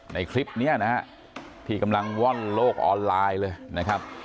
ในคลิปนี้นะฮะที่กำลังว่อนโลกออนไลน์เลยนะครับ